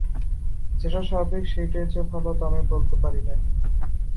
যেটা স্বভাবিক সেইটেই যে ভালো, তা আমি বলতে পারি নে।